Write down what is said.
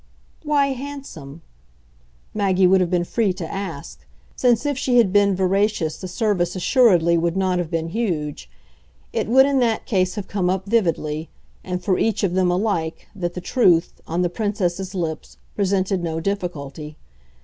"Why handsome?" Maggie would have been free to ask; since if she had been veracious the service assuredly would not have been huge. It would in that case have come up vividly, and for each of them alike, that the truth, on the Princess's lips, presented no difficulty.